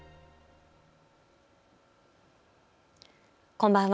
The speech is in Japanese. こんばんは。